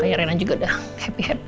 iya reina juga udah happy happy